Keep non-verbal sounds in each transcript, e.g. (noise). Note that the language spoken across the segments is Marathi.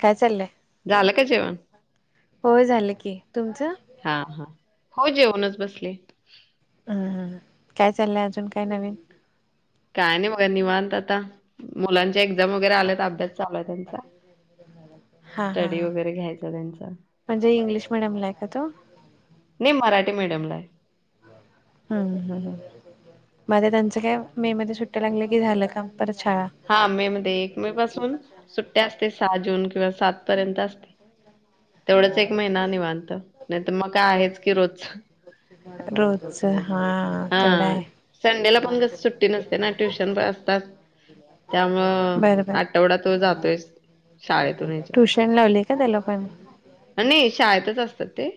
काय चाललंय? झाल का जेवण? होय झालं की, तुमचं? हा हा, हो जेवूनच बसले. अ काय चाललंय? अजून काय नवीन? काय नाही बघा, निवांत आता. मुलांच्या एक्झाम वगैरे आल्यात, अभ्यास चालू आहे त्यांचा. हा हा स्टडी हां वगैरे घ्यायचा त्यांचा. म्हणजे, इंग्लिश मिडियमला आहे का तो? नाही, मराठी मीडियमला आहे. हम् हम् हम् म्हणजे त्यांचं काय, मे मध्ये सुट्टया लागल्या, की झालं काम. परत शाळा. हा मे मध्ये, एक मे पासून सुट्ट्या असते, सहा जून किंवा सात पर्यंत असते. तेवढच एक महिना निवांत, नाही तर मग काय आहेच की रोज. रोजच हा तेवढा हा. आहे संडेला पणस कस सुट् टी नसते ना. ट्युशन असतात. त्यामुळ बरं बरं आठवडा तो जातोयच. शाळेतून ह्याच्यात. ट्युशन लावली का त्याला पण? नाही, शाळेतच असतात ते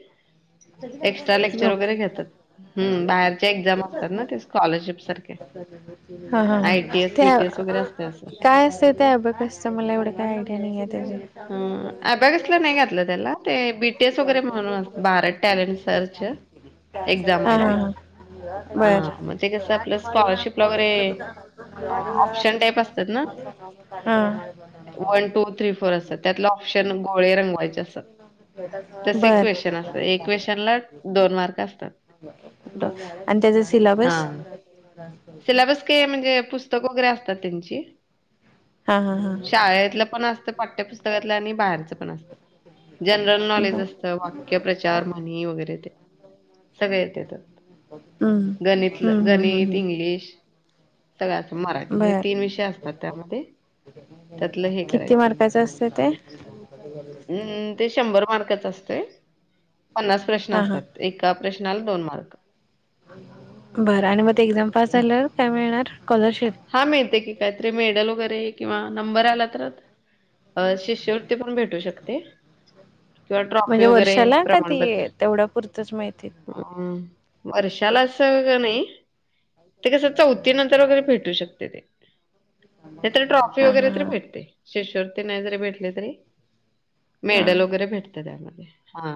एक्स्ट्रा लेक्चर वगैरे घेतात. हम, बाहेरचे एक्झाम असतात ना, ते स्कॉलरशिप सारखे. ह ह ह आय-टी-एस, त्या बी-टी-एस वगैरे असते असं. काय असत ते अबॅकस? मला एवढं आयडिया नाही हं, त्याची. अबॅकसला नाही घातलं त्याला ते बी टी एस वगैरे म्हणून भारत टॅलेंट सर्च एक्झाम आहे ते. हा हां, मग ते कसं हा आपलं स्कॉलरशिपला वगैरे हा. अ, ऑप्शन टाइप बर असतात ना, (unintelligible) (unintelligible) असतात. त्यातलं ऑप्शन हा. गोळे रंगवायचे असतात. (unintelligible) तसे क्वेशन असतात. एक बर. क्वेशनला मार्क असतात. आणि त्याचा सिल्याबस? सिल्याबस काय म्हणजे पुस्तक वगैरे असतात त्यांची. हा हा हा शाळेतलं पण असतं पाठ्यपुस्तकातलं आणि बाहेरचं पण असतं. जनरल नॉलेज बर असतं वाक्य प्रचार, म्हणी वगैरे ते सगळे येतेत. हम्म, हम्म हम्म हम्म हम्म. ग्लिश (unintelligible) मराठी हे बर तीन विषय असतात त्यामध्ये. त्यातलं हे किती करायचं. मार्काचं असतं ते? हम्म ते शंभर मार्काचं असतंय, पन्नास हा प्रश्न हा असतात. एका प्रश्नाला दोन मार्क. बरं आणि मग ते एक्झाम पास झाल्यावर काय मिळणार स्कॉलरशिप? हा मिळते की, काहीतरी मेडल वगैरे किंवा नंबर आला तर आता. अ शिष्यवृत्ती पण भेटू शकते. किंवा म्हणजे ट्रॉफी वगैरे वर्षाला का प्रमाणपत्र. ती तेवढ्या पुरतच मिळते अ वर्षाला असं का नाही, ते कसं चौथीनंतर वगैरे भेट टू शकते ते, नाही तर ट्रॉफी हा वगैरे हा तरी हा भेटते. शिष्यवृत्ती नाही जरी भेटली तरी, हा मेडल वगैरे भेट ते त्यामध्ये, हा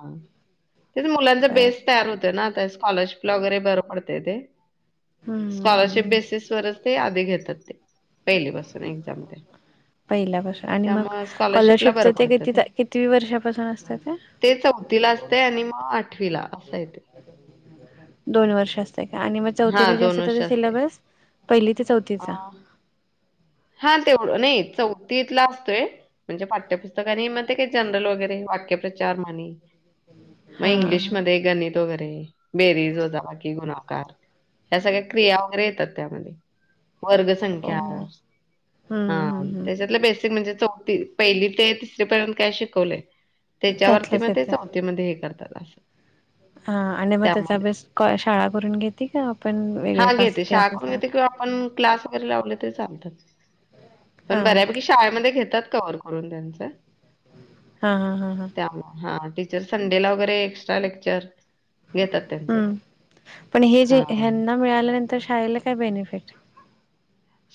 तेच मुलांचा बर बेस बर तयार होतंय ना, ते स्कॉलरशिपला वगैरे बरं पडतंय ते, हम्म हम्म स्कॉलरशिप हम्म बेसिस वरच ते आधी घेतात ते, पहिली पासून एक्झाम त्या. पहिल्यापासून आणि मग स्कॉलरशिपच बरं ते पडतं किती कितीवी वर्षापासून असतं ते? ते चौथीला असतंय आणि मग आठवीला असंय ते. दोन वर्ष असतंय का? आणि मग हा चौथीला जे दोन असतंय वर्ष ते सिलेबस पहिली ते चौथी अ हा तेवढं नाही चौथीतला असतोय. म्हणजे पाठ्यपुस्तक आणि म ते काय जनरल वगैरे वाक्यप्रचार, म्हणी मग हा हा इंग्लिशमध्ये गणित वगैरे बेरीज, वजाबाकी, गुणाकार. ह्या सगळ्या क्रिया वगैरे येतात त्यामध्ये, वर्गसंख्या. ओ हा, त्याच्यातलं बेसिक म्हणजे चौथी पहिली ते तिसरी पर्यंत काय शिकवलंय त्याच्या वरती त्यातलंच म ते येत चौथीमध्ये हे करतात असं. हा आणि मग त्याचा त्यामध्ये. अभ्यास क शाळा करून घेते का आपण वेगळ्या क्लासेस ला ते आपण क्लास वगैरे लावले तरी चालतात. पण हा बऱ्यापैकी शाळेमध्ये घेतात कव्हर करून त्यांचं. हा हा हा हा. त्यामुळे हा, टीचर संडेला वगैरे एक्स्ट्रा लेक्चर घेतात. त्यांचं ते. हम्म, पण हे जे हां. ह्यांना मिळाल्यानंतर शाळेला काय बेनिफिट?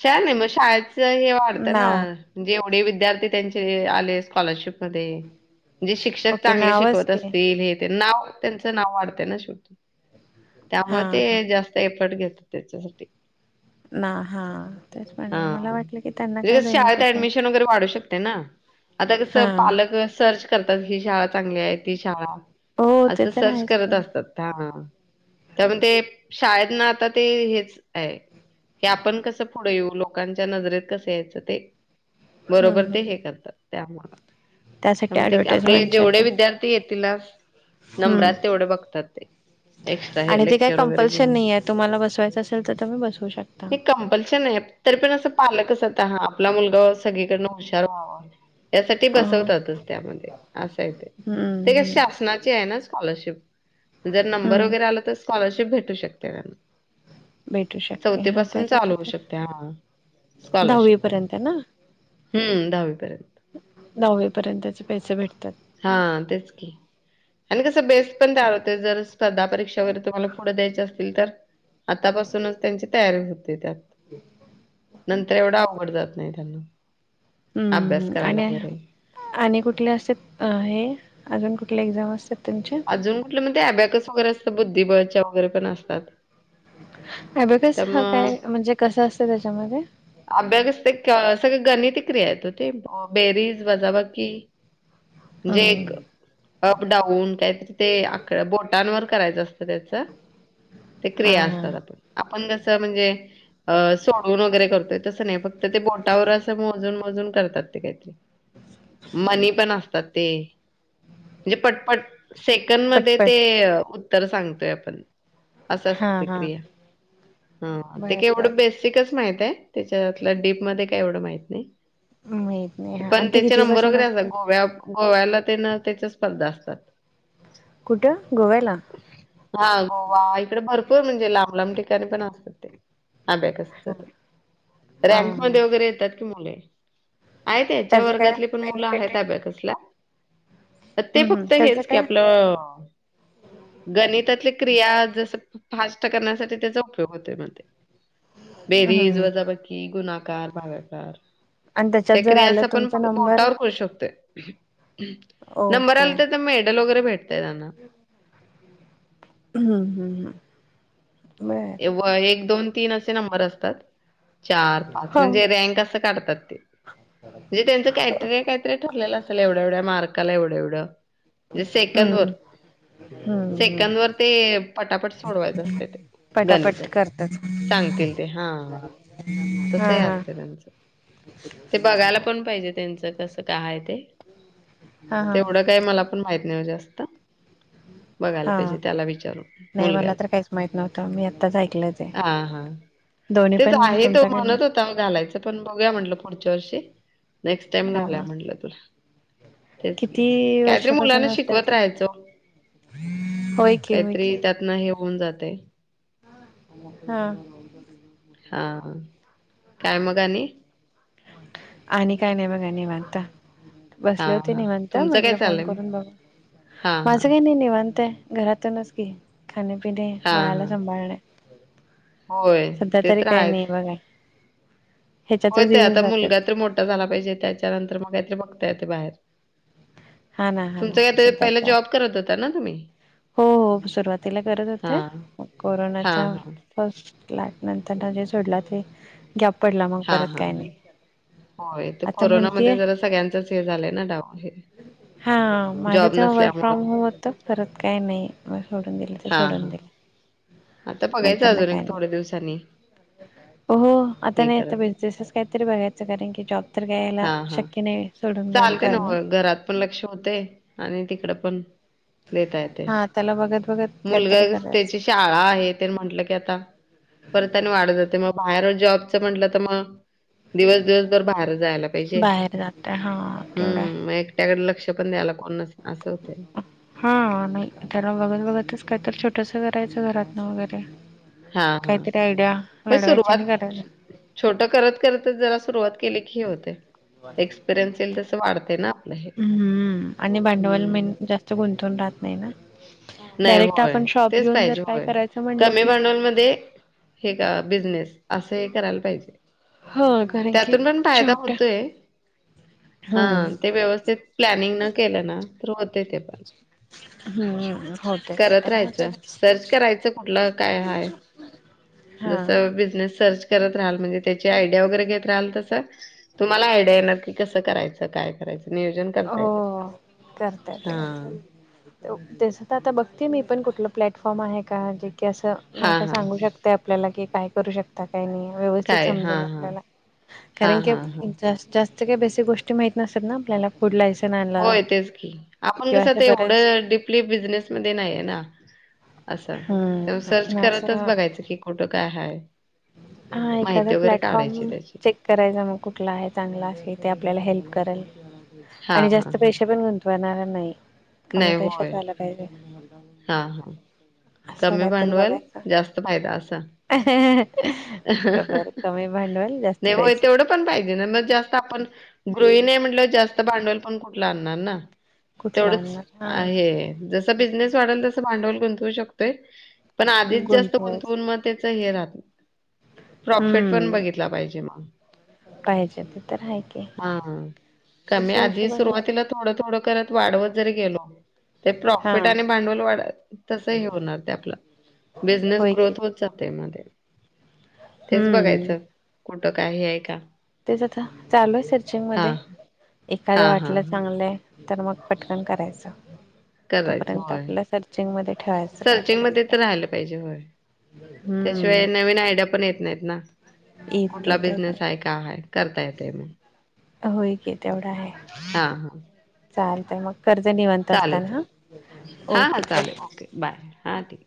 शाळं नाही मग शाळेचं हे वाढतं ना, नाव जेवढे विद्यार्थी त्यांचे आले स्कॉलरशिप मध्ये जे शिक्षक ओके चांगले नावच शिकवत की असतील हे ते नाव त्यांचं नाव वाढतं ना शेवटी, हा त्यामुळे ते हा जास् त एफर्ट घेतात त्याच्यासाठी. ना हा. तेच म्हटलं हा, मला वाटलं की त्यांना काय लगेच शाळेत बेनिफिट आहे. ऍडमिशन वगैरे वाढू शकते ना. आता कसं हा पालक अ सर्च करतात ही शाळा चांगली आहे ती शाळा? हो ते असं तर सर्च आहेच की करत हम्म असतात. हा.. त्यामुळे ते शाळेत ना आता ते हेच आहे की आपण कसं पुढे येऊ लोकांच्या नजरेत कसं यायचं ते, बरोबर हम्म ते हे करतात. त्यामुळं, (unintelligible) त्यासाठी म्हणते की आपले ऍडव्हर्टाइजमेंट जेवढे साठी विद्यार्थी ये तिला हम्म नंबरात तेवढे बघतात ते, एक्स्ट्रा हे आणि ते काही लेक्चर वगैरे कंपल्शन घेऊन. नाही आहे तुम्हाला बसवायचं असेल तर तुम्ही बसवू शकता. हे कंपल्शन आहे तरी पण असं पालकच आता हा, आपला मुलगा सगळीकडनं हुशार व्हावा. यासाठी अ हम्म बसवतातच त्यामध्ये असंय ते, ते काय हम्म शासनाची आहे ना स्कॉलरशिप. जर नंबर हम्म वगैरे आला तर स्कॉलरशिप भेटू शकते त्यांना. भेटू शकते हा (unintelligible) (unintelligible) चालू तर शकत्या, दहावी स्कॉलरशिप पण पर्यंत हम्म दहावीपर्यंत. दहावीपर्यंतच त्याचे पैसे भेटतात. हा तेच की. आणि कसं बेस पण हा तयार हम्म होतंय जर स्पर्धा परीक्षा वगैरे तुम्हाला पुढं द्यायच्या असतील तर. आतापासूनच त्यांची तयारी होते त्यात, नंतर येवढा अवघड जात नाही त्यांना. हू अभ्यास हू करायला आणि वगैरे आणि कुठले असतात अ हे अजून कुठले एक्झाम असतात त्यांच्या. अजून कुठलं म ते अबॅकस वगैरे असतं बुद्धिबळच्या वगैरे पण असतात. अबॅकस हा त्यामुळं काय म्हणजे कसं असतं त्याच्यामध्ये अबॅकस ते क सगळ गणितिक्रिया आहेत ओ ते, बेरीज, वजाबाकी. जे हम्म एक अपडाऊन कायतर ते आक बोटांवर करायचं अस त त्याच, ते हा क्रिया हा असतात आप (unintelligible) आपण जसं म्हणजे अ सोडवून वगैरे करतोय तसं नाही फक्त ते बोटावर असं मोजून-मोजून करतात ते काय मनी पण असतात ते म्हणजे पटपट. सेकंडमध्ये ते पटपट उत्तर सांगतोय आपण. असं हा असतंय हा क्रिया, हा ते बर बर केवढं बेस सीकच माहित आहे त्याच्यातल डीपमध्ये काय एवढं माहीत नाही. माहित नाही हा पण आणि ते त्याचे किती नंबर पासून वगैरे असतात असतं? गोव्या-गोव्याला तेन त्याच्या स्पर्धा असतात. कुठं गोव्याला? हा गोवा, इकडं भरपूर म्हणजे लांब-लांब ठिकाणी पण असतात ते. अबॅकसच ते, हा हा रँकमध्ये वगैरे येतात की मुले. आहेत याच्या त्याचं काय वर्गातली पण मुलं बेनिफिट आहेत आहे? अबॅकसला. ते हम्म हम्म फक्त त्याचं हेच की काय? आपलं गणितातली क्रिया जसं फास्ट करण्यासाठी त्याचा उपयोग होतोय म्हणते. बेरीज, हम्म वजाबकी, गुणाकार, भागाकार. आणि त्याच्यात त्या जर आलं क्रियांचा पण तुमचा (unintelligible) नंबर बोटावर करू शकतोय. नंबर ओके आला तर तर मेडल वगैरे भेटतय त्यांना (inaudible) हू हू हू. एवा एक, दोन, तीन असे नंबर असतात. चार, पाच हो म्हणजे रँक असं काढतात ते. ते त्यांचं क्रायटेरिया कायतरी ठरलेल असलं एवढ्या- एवढ्या मार्काला एवढं-एवढं. म्हणजे सेकंद वर, हम्म हम्म हम्म सेकंद वर ते पटापट सोडवायचं असतंय ते. गणित ते, पटापट करतात सांगतील ते हा. (unintelligible) तस ही असतय त्यांचं. ते बघायला पण पाहिजे त्यांच कस काय हाय ते, हा हा तेवढ काय मला माहित नाही ओ जास्त बघायला पाहिजे हा त्याला विचारून नाही मला मुलग्याला, तर काहीच माहित नव्हतं मी आत्ताच ऐकलं ते हा हा. दोन्ही तेच पण आहे तो तुमच्याकडनं म्हणत होता घालायचं, पण बघूया म्हटलं पुढच्या वर्षी नेक्स्ट टाइम घालुया हा म्हंटल तुला, तेच की किती काय तरी मुलांना वर्षापासून असते शिकवत ते राहायच होय. की होय कायतरी की त्यातन हे होऊन जातय. हा हा, काय मग आणि? आणि काय नाही बघा, निवांत हा बसले होते हा निवांत तुमचं काय म्हटलं फोन चाललंय मग करून बघू, हा माझं हा काय नाही निवांत आहे घरातुनच की खाणे-पिणे, हां, बाळाला हां. सांभाळणे. होय, सध्या ते तरी तर काही आहेच. नाही बघा होय ह्याच्यातच ते दिवस आता जातात मुलगा तर मोठा झाला पाहिजे, त्याच्यानंतर मग काहीतरी बघता येत बाहेर. हा ना हा तुमच ना काय तरी, पहिला सध्याचा जॉब करत होता ना तुम्ही? हो हो, सुरुवातीला करत होते हां, म कोरोनाच्या हां, हां. फर्स्ट लाट नंतरन जे सोडला ते, ग्याप पडला मग हां, परत काय नाही. हां. होय, तर आता कोरोनामध्ये म्हणतीय जरा सगळ्यांचंच हे झालंय ना डाऊन हे हा, माझं जॉब तेव्हा वर्क फ्रॉम नसल्यामुळं. होम हो त परत काय नाही, मग सोडून दिलं ते हां, सोडून हां. दिलं. आता बघायचं नंतर ना अजून काय एक नाही थोडे दिवसांनी. हो हो, आता हे नाही आता करत. बिझनेसच काहीतरी बघायचं कारण की, जॉब तर घ्यायला शक्य नाही. सोडून जाऊन चालतय करणं न्हवं, घरात पण लक्ष होतय आणि तिकड पण देता येतय, हा त्याला बघत बघत मुलगा काहीतरी करायचं त्याची शाळा हे तेन म्हटलं ते आता, परत अन वाढत जातय मग बाहेर जॉबच म्हटलं तर म दिवस दिवसभर बाहेर जायला लाग बाहेर जातय, हा. तेवढा आहे. हम्म, मग एकट्याकडे लक्ष पण द्यायला कोण नसत, अस होतंय न. हा नाही, त्याला बघत बघतच काय तर छोटस करायचं घरातन वगैरे हां, हां. काहीतरी आयडिया लढवायच्या आणि करायच. छोट करत-करतच जरा सुरुवात केली की, हे होतय. एक्सपिरियन्स येईल तसं वाढतय ना. आपलं हे. हम्म आणि भांडवल मेन हम्म. जास्त गुंतून राहत नाही ना. नाही डायरेक्ट होय. आपण शॉप घेऊन, जर काय करायच म्हणल की मध्ये हे क बिझनेस, अस हे करायला पाहिजे. हा क त्यातून पण फायदा होतोय, हा हम्म ते व्यवस्थित प्लनिंग न केलं ना तर होतय ते पण. हम्म हो करत राहायचं, सर्च करायचं कुठलं काय हाय हा जस बिझनेस सर्च करत रहाल, म्हणजे त्याची आयडिया वगैरे घेत राहाल तस तुम्हाला आयडिया येणार की कसं करायचं, काय करायच नियोजन करता येतय, हो हा. तेच तर आता बघते आहे मी पण कुठलं प्लॅटफॉर्म आहे का जे की असं नाही हा का हा सांगू शकत ते आपल्याला की काय करू शकत ता की नाही व्यवस्थित काय हा समजेल हा आपल्याला हा कारण की हा हा. जास्त जास्त काही बेसीक गोष्टी माहित नसतात ना आपल्याला. फुड लायसन्स आ होय तेच की आपण कसं ते एवढं डीपली बिझनेसमध्ये नाहीये ना! असं तेव्हा सर्च हम्म करतच असं बघायचं की कुठं काय आहे. हां एखादा प्लॅटफॉर्म त्याची. चेक करायचा मग कुठला आहे चांगला असल ते आपल्याला हेल्प करेल हा आणि हा जास्त हा पैसे पण गुंतून वणार नाही कमी पैशात झाला पाहिजे. हां हां असं कमी काहीतरी भांडवाल बघायचं जास्त फायदा असं! बरोबर! कमी भांडवाल जास्त नाही होय पैसे. तेवढं पण पाहिजे ना जास्त आपण गृहिणी आहे म्हंटल्यावर जास्त भांडवल पण कुठलं आणणार ना! कुठला तेवढच आणणार हा हे जस बिझनेस वाढेल तस भांडवल गुंतवू शकतोय. पण आधीच जास्त गुंतवायच गुंतवून मग त्याच हे राहत नाही. प्रॉफिट पण हम्म बघितला पाहिजे मग. पाहिजे ते तर आहे की हम्म कमी तशा आधी हिशोबाने सुरुवातीला थोडं थोडं करत वाढवत जरी गेलो ते प्रॉफिट हा आणि भांडवल वाढल तस हे होणार ते आपला बिझनेस होय की ग्रोथ होत जातंय मग ते. तेच हम्म बघायचं कुठं काय हे आहे का. तेच आता चालू आहे सर्चिंग हा मध्ये एखाद्या हा हा वाटलं हा चांगलं आहे तर मग पटकन करायचं. करायचं तोपर्यंत होय, आपलं सर्चिंग मध्ये ठेवायचं काय सर्चिंग करायचं मध्ये काय तर राहायला पाहिजे होय. हम्म त्याशिवाय नवीन आयडिया पण येत नाहीत ना. येत कुठला नाही ते बिझनेस आहे काय आहे करता येतय मग. होय की तेवढा आहे. हां हां. चालतंय मग करते निवांत असताना हां चालेल. हा हा ओके बाय. चालेल ओके बाय हा ठीक.